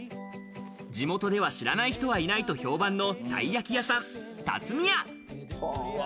地元では知らない人はいないと評判のたい焼き屋さん、たつみや。